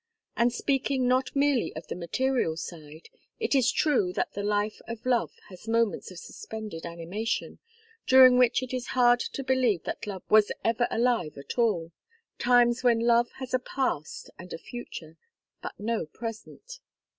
And speaking not merely of the material side, it is true that the life of love has moments of suspended animation, during which it is hard to believe that love was ever alive at all times when love has a past and a future, but no present.